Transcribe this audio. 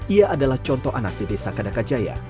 ia adalah contoh anak di desa kadakajaya